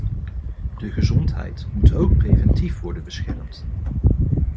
De gezondheid moet ook preventief worden beschermd.